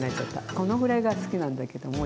このぐらいが好きなんだけどもういい？